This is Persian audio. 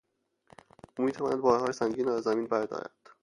او میتواند بارهای سنگین را از زمین بردارد.